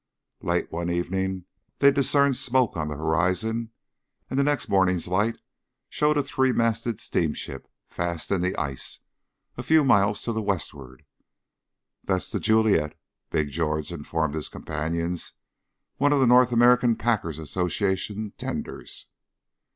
Late one evening they discerned smoke on the horizon, and the next morning's light showed a three masted steamship fast in the ice, a few miles to the westward. "That's The Juliet," Big George informed his companions, "one of the North American Packers' Association tenders."